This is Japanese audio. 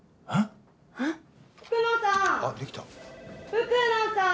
福野さん！